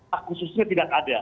hak khususnya tidak ada